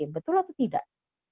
betul atau tidak